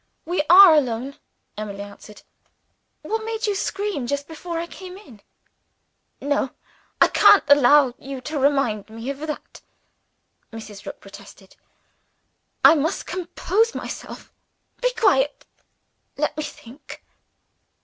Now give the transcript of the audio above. "We are alone," Emily answered. "What made you scream just before I came in?" "No! I can't allow you to remind me of that," Mrs. Rook protested. "I must compose myself. Be quiet. Let me think."